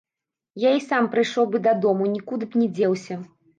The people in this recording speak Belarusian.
Я і сам прыйшоў бы дадому, нікуды б я не дзеўся.